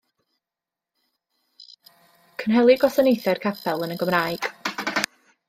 Cynhelir gwasanaethau'r capel yn y Gymraeg.